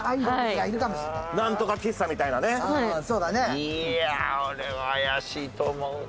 いやあ俺は怪しいと思うな。